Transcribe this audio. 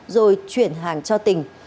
rồi chuyển hàng cho tỉnh